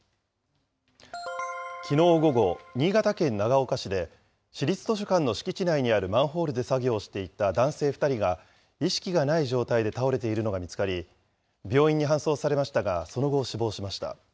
きのう午後、新潟県長岡市で、市立図書館の敷地内にあるマンホールで作業していた男性２人が意識がない状態で倒れているのが見つかり、病院に搬送されましたがその後、死亡しました。